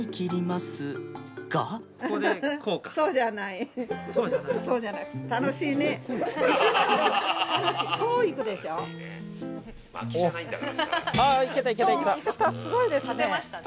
すごいですね。